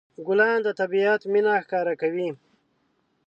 ګلان د طبيعت مینه ښکاره کوي.